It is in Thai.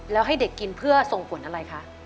แล้วให้เด็กกินเพื่อส่งผลอะไรคะ